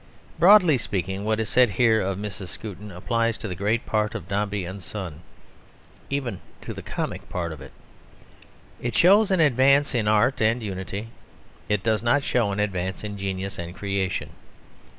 Broadly speaking, what is said here of Mrs. Skewton applies to the great part of Dombey and Son, even to the comic part of it. It shows an advance in art and unity; it does not show an advance in genius and creation.